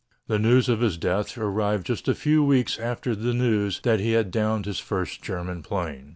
The news of his death arrived just a few weeks after the news that he had downed his first German plane.